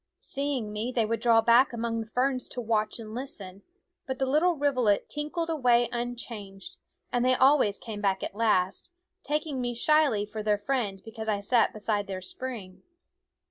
Seeing me they would draw back among the ferns to watch and listen ; but the little rivulet tinkled away unchanged, and they always came back at last, taking me shyly for their friend because I sat beside their spring.